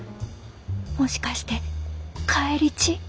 もしかして返り血？